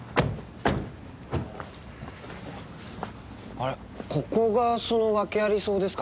あれここがそのワケあり荘ですか？